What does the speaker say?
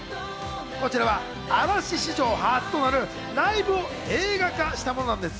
こちらは嵐史上初となるライブを映画化したものなんです。